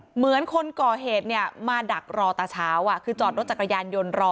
เหมือนคนก่อเหตุเนี่ยมาดักรอตาเช้าคือจอดรถจักรยานยนต์รอ